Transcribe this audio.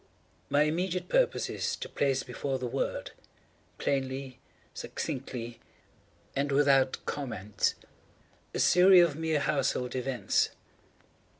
My immediate purpose is to place before the world, plainly, succinctly, and without comment, a series of mere household events.